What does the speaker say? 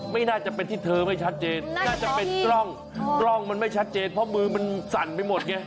ไม่น่าจะเป็นที่เธอไม่ชัดเจนน่าจะเป็นกล้องกล้องมันไม่ชัดเจนเพราะมือมันสั่นไปหมดไง